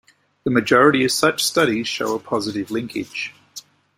The majority of such studies show a positive linkage.